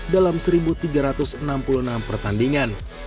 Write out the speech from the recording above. dalam satu tiga ratus enam puluh enam pertandingan